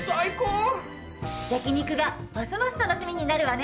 焼肉がますます楽しみになるわね。